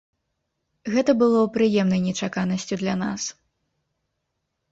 Гэта было прыемнай нечаканасцю для нас.